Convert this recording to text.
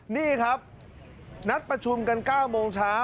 นี่ครับนัดประชุมกัน๙โมงเช้า